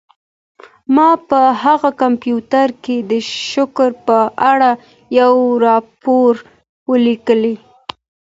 ما په دغه کمپیوټر کي د شکر په اړه یو راپور ولیکلی.